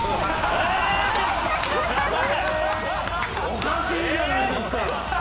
おかしいじゃないですか！